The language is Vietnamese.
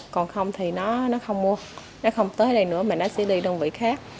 còn không thì nó không mua nó không tới đây nữa mà nó sẽ đi đơn vị khác